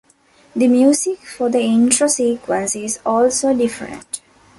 The music for the intro sequence is also different.